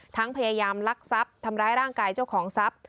พยายามลักทรัพย์ทำร้ายร่างกายเจ้าของทรัพย์